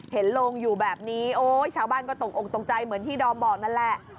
โลงอยู่แบบนี้โอ๊ยชาวบ้านก็ตกอกตกใจเหมือนที่ดอมบอกนั่นแหละ